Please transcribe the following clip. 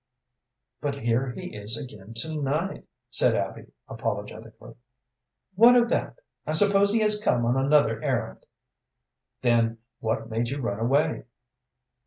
"But here he is again to night," said Abby, apologetically. "What of that? I suppose he has come on another errand." "Then what made you run away?"